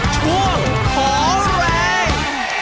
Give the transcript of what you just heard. ช่วงขอแรง